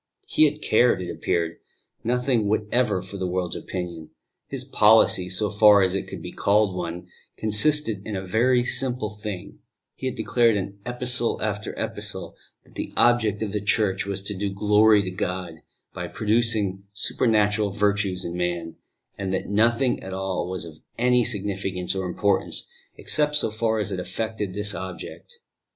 He had cared, it appeared, nothing whatever for the world's opinion; his policy, so far as it could be called one, consisted in a very simple thing: he had declared in Epistle after Epistle that the object of the Church was to do glory to God by producing supernatural virtues in man, and that nothing at all was of any significance or importance except so far as it effected this object.